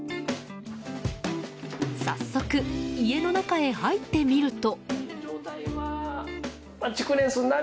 早速、家の中へ入ってみると。